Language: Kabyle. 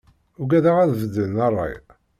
Uggadeɣ ad beddlen rray.